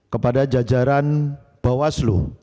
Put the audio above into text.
kepada jajaran bawaslu